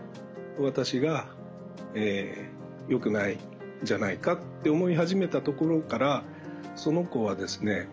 私がよくないんじゃないかって思い始めたところからその子はですね